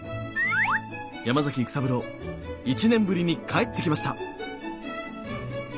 山崎育三郎１年ぶりに帰ってきました。